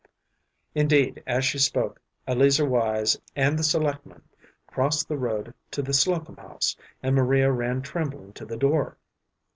Indeed, as she spoke Eleazer Wise and the selectman crossed the road to the Slocum house, and Maria ran trembling to the door.